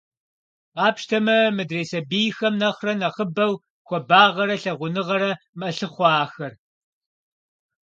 Къапщтэмэ, мыдрей сабийхэм нэхърэ нэхъыбэу хуабагъэрэ лъагъуныгъэрэ мэлъыхъуэ ахэр.